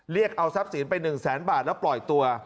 เรียกเอาทรัพย์สินไป๑แสนบาทแล้วปล่อยตัว